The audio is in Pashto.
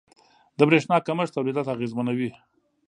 • د برېښنا کمښت تولیدات اغېزمنوي.